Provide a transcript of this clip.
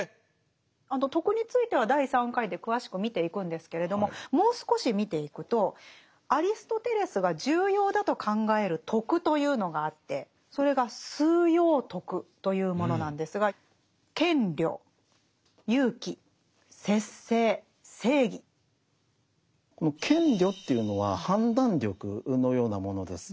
徳については第３回で詳しく見ていくんですけれどももう少し見ていくとアリストテレスが重要だと考える徳というのがあってそれが「枢要徳」というものなんですがこの「賢慮」っていうのは判断力のようなものです。